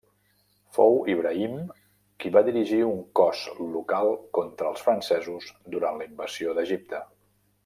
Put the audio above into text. Fou Ibrahim qui va dirigir un cos local contra els francesos durant la invasió d'Egipte.